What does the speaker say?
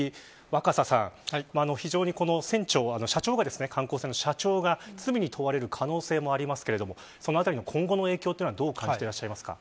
若狭さん、非常にこの船長が観光船の社長が罪に問われる可能性もありますがそのあたりの今後の影響はどう感じていらっしゃいますか。